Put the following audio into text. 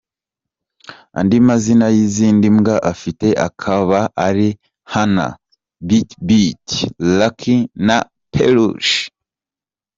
Andi mazina y’izindi mbwa afite akaba ari Hannah, BitBit, Lucky na Perruche.